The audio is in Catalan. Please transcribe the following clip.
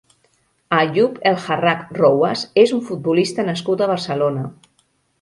Ayub El Harrak Rouas és un futbolista nascut a Barcelona.